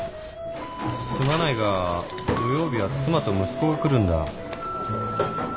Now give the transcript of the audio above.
すまないが土曜日は妻と息子が来るんだ。